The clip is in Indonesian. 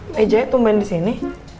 bejanya tumben di sini